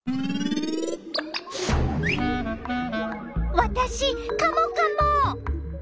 わたしカモカモ！